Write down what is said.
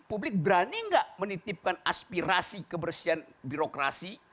publik berani nggak menitipkan aspirasi kebersihan birokrasi